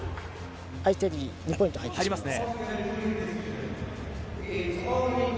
相手に２ポイントが入ってしまいますね。